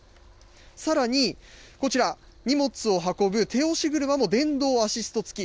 さらにこちら、荷物を運ぶ手押し車も電動アシスト付き。